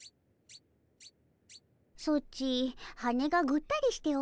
ソチ羽がぐったりしておるの。